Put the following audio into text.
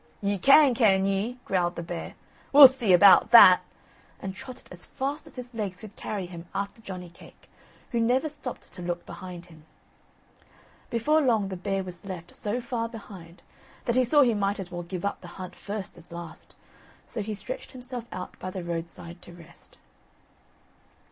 "Ye can, can ye?" growled the bear, "we'll see about that!" and trotted as fast as his legs could carry him after Johnny cake, who never stopped to look behind him. Before long the bear was left so far behind that he saw he might as well give up the hunt first as last, so he stretched himself out by the roadside to rest.